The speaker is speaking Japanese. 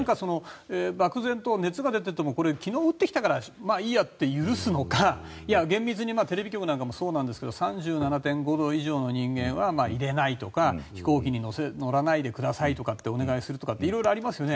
漠然と熱が出たというのも昨日打ってきたからいいやって許すのか、それとも厳密にテレビ局なんかもそうですが３７．５度以上の人間は入れないとか飛行機に乗らないで下さいとお願いするとかっていろいろありますよね。